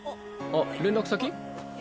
あっ連絡先？